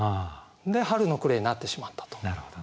で「春の暮」になってしまったと。